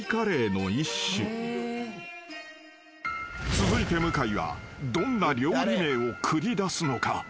［続いて向井はどんな料理名を繰り出すのか？］